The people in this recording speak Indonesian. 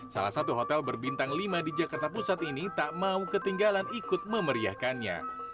salah satu hotel berbintang lima di jakarta pusat ini tak mau ketinggalan ikut memeriahkannya